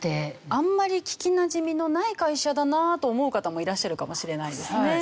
あんまり聞きなじみのない会社だなと思う方もいらっしゃるかもしれないですね。